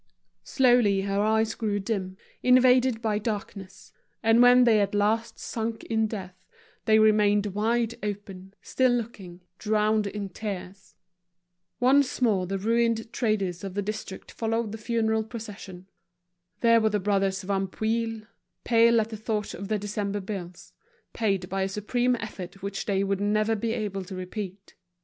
Slowly her eyes grew dim, invaded by darkness; and when they at last sunk in death, they remained wide open, still looking, drowned in tears. Once more the ruined traders of the district followed the funeral procession. There were the brothers Vanpouille, pale at the thought of their December bills, paid by a supreme effort which they would never be able to repeat.